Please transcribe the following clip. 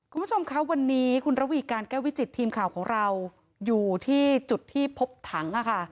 คุณผู้ชมคะวันนี้คุณระวีการแก้ววิจิตทีมข่าวของเราอยู่ที่จุดที่พบถัง